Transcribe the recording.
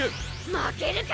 負けるか！